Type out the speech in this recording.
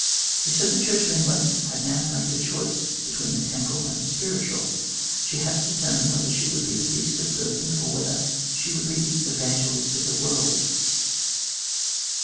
He said the Church of England had now to make her choice between the temporal and the spiritual. She had to determine whether she would be the beast of burden, or whether she would be the evan gelist of the world.